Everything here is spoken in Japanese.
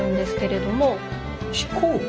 飛行機？